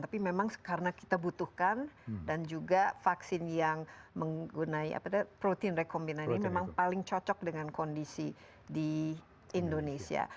tapi memang karena kita butuhkan dan juga vaksin yang menggunakan protein rekombinan ini memang paling cocok dengan kondisi di indonesia